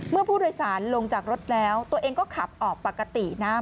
เมื่อผู้โดยสารลงจากรถแล้วตัวเองก็ขับออกปกตินะ